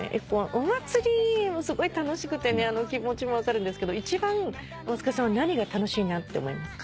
お祭り楽しくて気持ちも分かるんですけど一番大塚さんは何が楽しいなって思いますか？